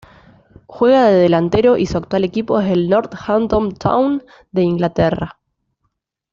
Juega de delantero y su actual equipo es el Northampton Town de Inglaterra.